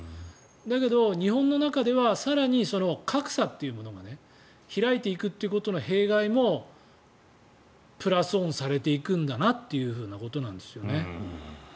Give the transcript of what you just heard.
だけど、日本の中では更にその格差というものが開いていくことの弊害もプラスオンされていくんだなということなんですよね。